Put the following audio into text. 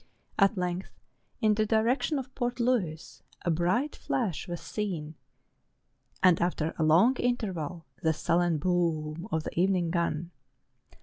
At length, in the direction of Port Louis, a bright flash was seen, and after a long interval, the sullen boom of the evening gun.